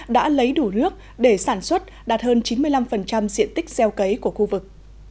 đã lấy đủ nước để sản xuất đạt hơn chín mươi năm diện tích gieo cấy của khu vực